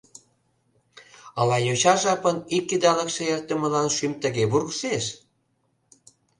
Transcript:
Ала йоча жапын ик идалыкше эртымылан шӱм тыге вургыжеш?